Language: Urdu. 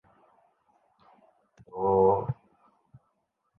مزاج بدلتا رہتا ہے